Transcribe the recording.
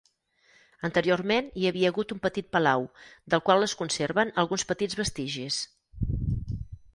Anteriorment hi havia hagut un petit palau, del qual es conserven alguns petits vestigis.